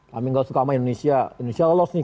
kami gak suka sama indonesia indonesia lolos nih